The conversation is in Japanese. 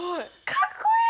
かっこいい！